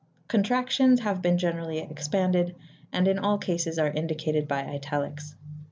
Contrac tions have been generally expanded and in all cases are indicated by italics.